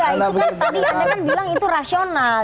itu kan tadi anda kan bilang itu rasional